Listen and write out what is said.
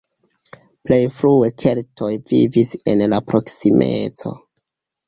Plej frue keltoj vivis en la proksimeco.